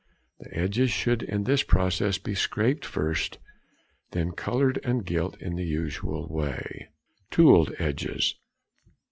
The edges should in this process be scraped first, then coloured and gilt in the usual way. _Tooled Edges.